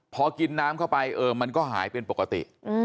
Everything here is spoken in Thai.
พอกินน้ำเข้าไปเออมันก็หายเป็นปกติ